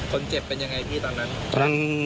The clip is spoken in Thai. คนเจ็บเป็นยังไงพี่ตอนนั้น